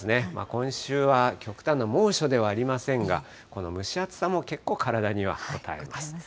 今週は極端な猛暑ではありませんが、この蒸し暑さも結構体にはこたえます。